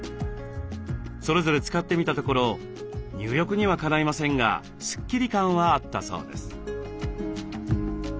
それぞれ使ってみたところ入浴にはかないませんがスッキリ感はあったそうです。